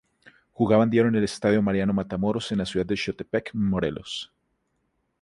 Jugaban diario en el Estadio Mariano Matamoros en la ciudad de Xochitepec en Morelos.